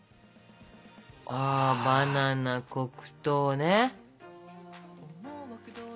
バナナ黒糖ね。